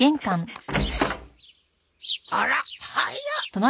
あら早っ！